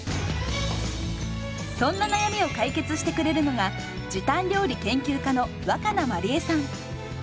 そんな悩みを解決してくれるのが時短料理研究家の若菜まりえさん。